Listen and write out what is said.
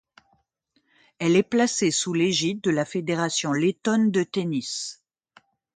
Elle est placée sous l'égide de la Fédération lettone de tennis.